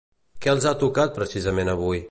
Què els ha tocat precisament avui?